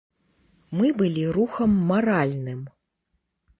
Мы былі рухам маральным.